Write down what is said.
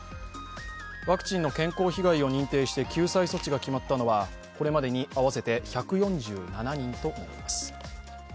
ワクチンの健康被害を認定して救済措置が決まったのはこれまでに合わせて１４７人となります。